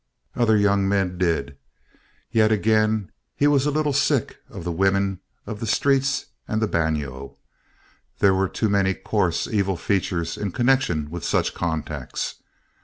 Other young men did. Yet again, he was a little sick of the women of the streets and the bagnio. There were too many coarse, evil features in connection with such contacts.